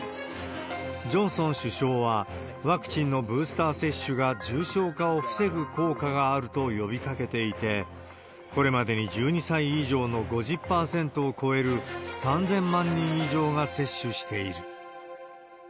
ジョンソン首相は、ワクチンのブースター接種が重症化を防ぐ効果があると呼びかけていて、これまでに１２歳以上の５０％を超える３０００万人以上が接種している。